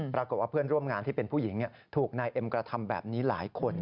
ปรากฏว่าเพื่อนร่วมงานที่เป็นผู้หญิงถูกนายเอ็มกระทำแบบนี้หลายคน